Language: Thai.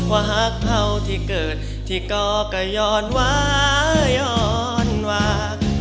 ว่าหักเท่าที่เกิดที่ก่อก็ย้อนวาย้อนหวัง